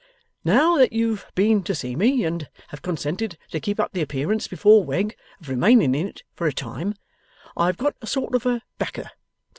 Now, that you've been to see me, and have consented to keep up the appearance before Wegg of remaining in it for a time, I have got a sort of a backer.